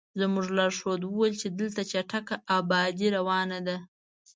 زموږ لارښود وویل چې دلته چټکه ابادي روانه ده.